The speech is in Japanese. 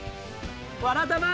「わらたま」。